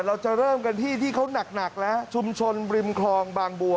เราจะเริ่มกันที่ที่เขาหนักแล้วชุมชนริมคลองบางบัว